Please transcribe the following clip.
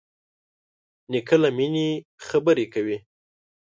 نیکه له مینې خبرې کوي.